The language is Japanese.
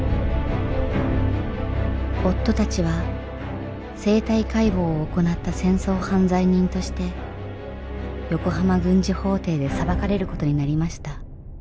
夫たちは生体解剖を行った戦争犯罪人として横浜軍事法廷で裁かれることになりました。